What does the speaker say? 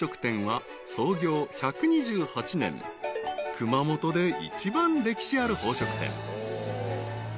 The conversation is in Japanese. ［熊本で一番歴史ある宝飾店］